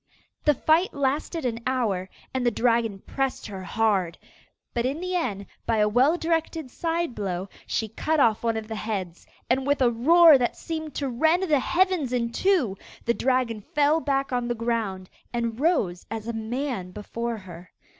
The fight lasted an hour and the dragon pressed her hard. But in the end, by a well directed side blow, she cut off one of the heads, and with a roar that seemed to rend the heavens in two, the dragon fell back on the ground, and rose as a man before her.